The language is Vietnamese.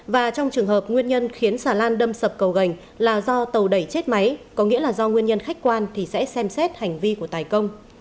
và trong trường hợp nguyên nhân khiến xà lan đâm sập cầu gành là do tàu đẩy chết máy có nghĩa là do nguyên nhân khách quan thì sẽ xem xét hành vi của tài công